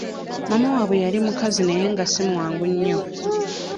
Maama waabwe yali mukazi naye nga si mwangu nnyo.